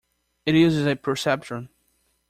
It uses a perceptron.